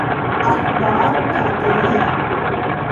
اخبار اٹھاتے ہیں۔